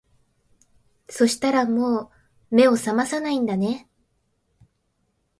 そしたらもう目を覚まさないんだね